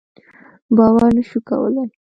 باور نه شو کولای.